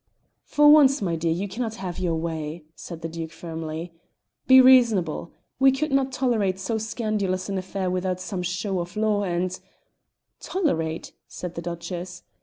"For once, my dear, you cannot have your way," said the Duke firmly. "Be reasonable! We could not tolerate so scandalous an affair without some show of law and " "Tolerate!" said the Duchess.